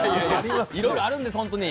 いろいろあるんです、本当に。